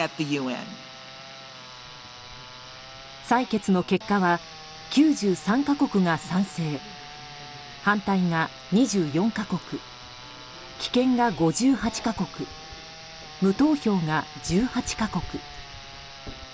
採決の結果は、９３か国が賛成反対が２４か国棄権が５８か国無投票が１８か国。